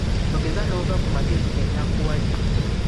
Togeza n'ova ku magezi ge nakuwadde.